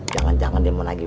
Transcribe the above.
jangan jangan dia mau nagih